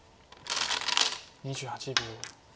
２８秒。